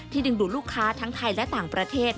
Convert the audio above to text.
ดึงดูดลูกค้าทั้งไทยและต่างประเทศ